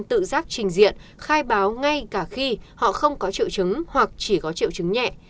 tự giác trình diện khai báo ngay cả khi họ không có triệu chứng hoặc chỉ có triệu chứng nhẹ